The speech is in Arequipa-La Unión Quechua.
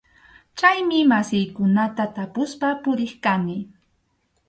Chaymi masiykunata tapuspa puriq kani.